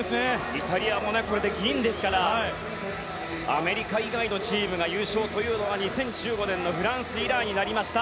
イタリアもこれで銀ですからアメリカ以外のチームが優勝というのは２０１５年のフランス以来になりました。